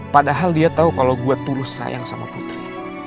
padahal dia tau kalau gue terus sayang sama putri